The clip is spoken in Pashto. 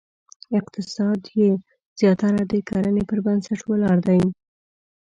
اقتصاد یې زیاتره د کرنې پر بنسټ ولاړ دی.